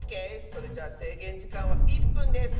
それじゃあせいげんじかんは１ぷんです！